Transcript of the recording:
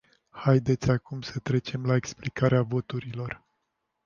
Haideți acum să trecem la explicarea voturilor.